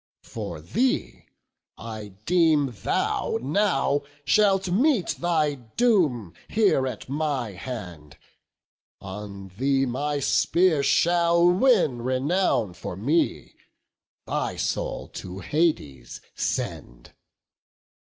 For thee, I deem thou now shalt meet thy doom Here, at my hand; on thee my spear shall win Renown for me, thy soul to Hades send."